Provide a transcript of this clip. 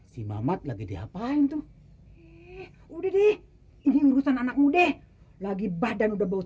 si mamat lagi diapain tuh udah deh ini urusan anak muda lagi badan udah bau